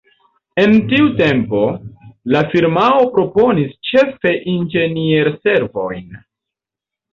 En tiu tempo, la firmao proponis ĉefe inĝenier-servojn.